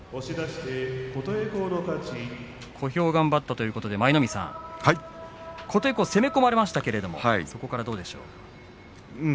小兵頑張ったということで舞の海さん、琴恵光攻め込まれましたけどもどうでしたか。